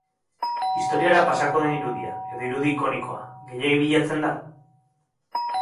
Historiara pasako den irudia, edo irudi ikonikoa, gehiegi bilatzen da?